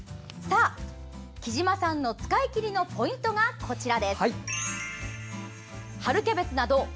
きじまさんの使い切りのポイントが、こちら。